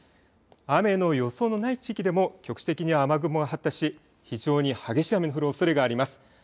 雨の予想のない地域でも局地的に雨雲が発達し非常に激しい雨の降るおそれがあります。